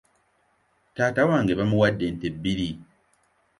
Taata wange bamuwadde ente bbiri.